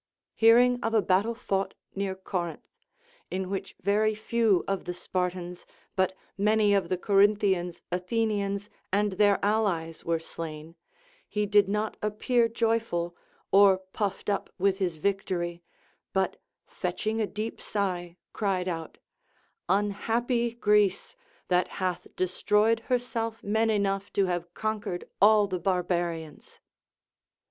Hearing of a battle fought near Cor inth, in which very few of the Spartans, but many of the Corinthians, Athenians, and their allies were slain, he did not appear joyful, or puffed up with his victory, but fetch ing a deep sigh cried out, Unhappy Greece, that hath de stroyed herself men enough to have conquered all the barbarians